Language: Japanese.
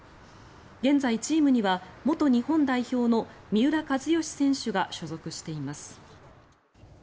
現在、チームには元日本代表の三浦知良選手が所属しています。